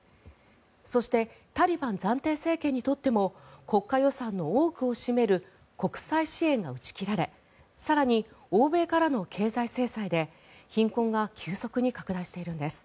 そしてタリバン暫定政権にとっても国家予算の多くを占める国際支援が打ち切られ更に、欧米からの経済制裁で貧困が急速に拡大しているんです。